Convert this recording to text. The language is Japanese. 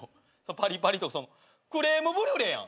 パリパリとクレームブリュレやん。